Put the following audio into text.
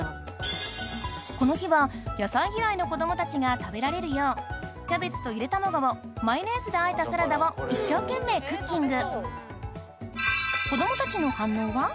この日は野菜嫌いの子ども達が食べられるようキャベツとゆで卵をマヨネーズであえたサラダを一生懸命クッキング